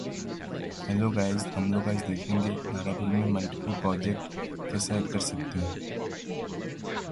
Manchac is known for fishing, duck hunting, seafood restaurants like Middendorf's, and swamp tours.